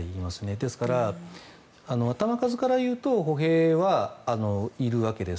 ですから頭数からいうと歩兵はいるわけです。